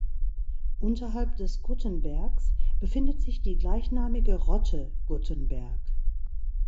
Unterhalb des Guttenbergs befindet sich die gleichnamige Rotte Guttenberg.